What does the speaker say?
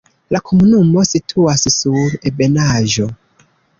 La komunumo situas sur ebenaĵo.